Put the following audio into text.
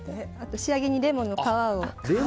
仕上げにレモンの皮を。